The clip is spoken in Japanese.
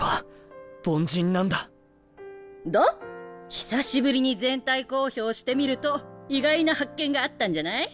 久しぶりに全体講評してみると意外な発見があったんじゃない？